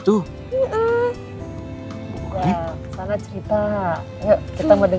aku rekam dia